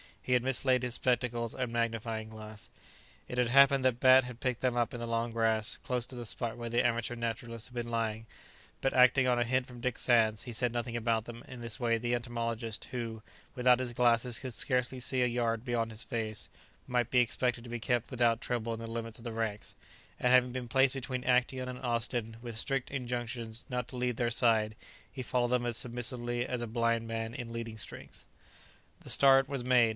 He had mislaid his spectacles and magnifying glass. It had happened that Bat had picked them up in the long grass, close to the spot where the amateur naturalist had been lying, but acting on a hint from Dick Sands, he said nothing about them; in this way the entomologist, who, without his glasses could scarcely see a yard beyond his face, might be expected to be kept without trouble in the limits of the ranks, and having been placed between Actæon and Austin with strict injunctions not to leave their side, he followed them as submissively as a blind man in leading strings. The start was made.